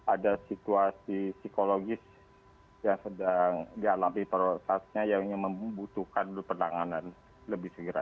ada situasi psikologis yang sedang dialami prosesnya yang membutuhkan dulu penanganan lebih segera